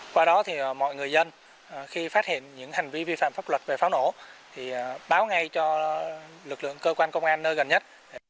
qua đó thì mọi người dân khi phát hiện những hành vi vi phạm pháp luật về pháo nổ thì báo ngay cho lực lượng cơ quan công an nơi gần nhất